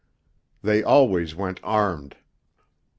They always went armed.